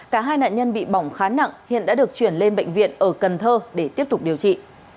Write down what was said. cả hai nạn nhân bị bỏng khá nặng hiện đã được chuyển lên bệnh viện ở cần thơ để tiếp tục điều trị